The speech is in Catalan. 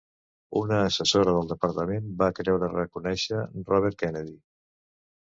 Una assessora del departament va creure reconèixer Robert Kennedy.